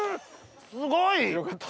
すごい！